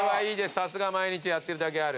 さすが毎日やってるだけある。